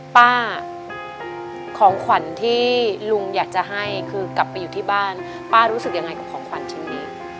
ป้าของขวัญที่ลุงอยากจะให้คือกลับไปอยู่ที่บ้านป้ารู้สึกยังไงกับของขวัญชิ้นนี้